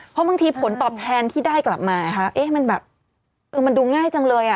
เพราะบางทีผลตอบแทนที่ได้กลับมามันดูง่ายจังเลยอ่ะ